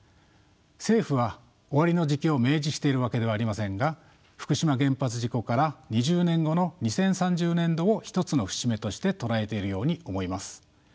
政府は終わりの時期を明示しているわけではありませんが福島原発事故から２０年後の２０３０年度を一つの節目として捉えているように思います。